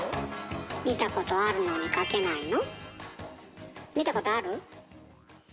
見たことあるのに描けないの？